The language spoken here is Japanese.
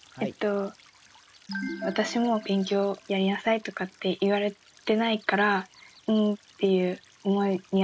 私も勉強やりなさいとかって言われてないからうんっていう思いにはなったことあります。